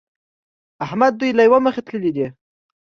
احمد دوی له يوې مخې تللي دي.